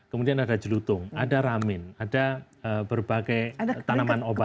kemudian ada jelutung ada ramin ada berbagai tanaman obat